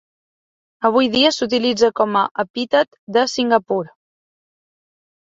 Avui dia s'utilitza com a epítet de Singapur.